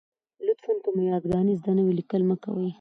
لطفاً! که مو یاګانې زده نه وي، لیکل مه کوئ.